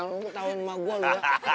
lu tauin nama gua lu ya